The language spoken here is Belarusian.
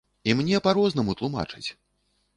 І мне па-рознаму тлумачаць!